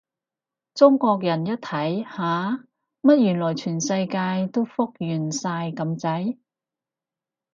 中國人一睇，吓？乜原來全世界都復原晒咁滯？